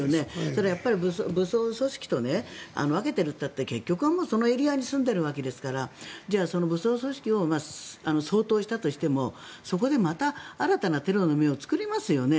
それは武装組織と分けているといっても結局はそのエリアに住んでいるわけですからじゃあ、武装組織を掃討したとしてもそこでまた新たなテロの芽を作りますよね。